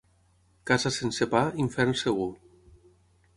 Casa sense pa, infern segur.